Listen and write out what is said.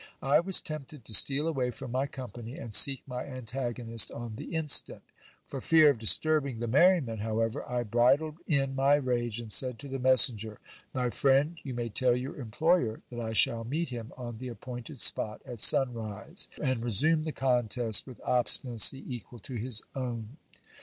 I was tempted to steal away from my company, and seek my antagonist on the instant. For fear of disturbing the merriment, however, I bridled in my rage, and said to the messenger: My friend, you mr y tell your employer that I shall meet him on the appointed spot at sun rise, anl resume the contest with obstinacy equal to his own.